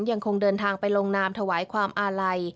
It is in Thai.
ยังคงเดินทางไปลงนามถวายความอาลัย